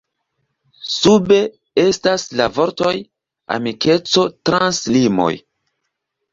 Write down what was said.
Sube estas la vortoj “Amikeco trans limoj”.